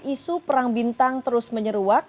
isu perang bintang terus menyeruak